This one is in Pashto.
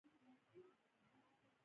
خدمه هم ډېره ځیرکه وه.